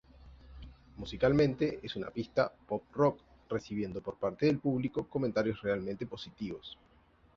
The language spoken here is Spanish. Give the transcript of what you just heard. Musicalmente, es una pista "pop rock", recibiendo por parte del público comentarios realmente positivos.